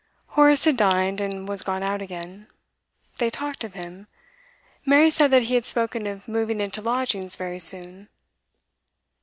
Horace had dined, and was gone out again. They talked of him; Mary said that he had spoken of moving into lodgings very soon.